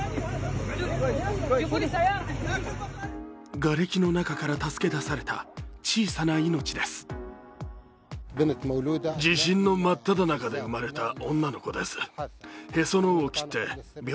がれきの中から助け出された小さな命です。